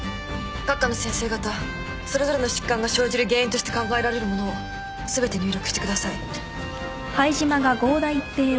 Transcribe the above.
各科の先生方それぞれの疾患が生じる原因として考えられるものを全て入力してください